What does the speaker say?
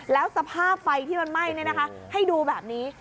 แล้วสภาพไฟที่มันไหม้ให้ดูแบบนี้